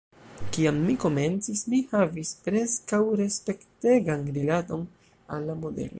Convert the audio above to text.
Kiam mi komencis, mi havis preskaŭ respektegan rilaton al la modelo.